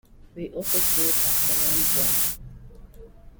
They also create a conundrum.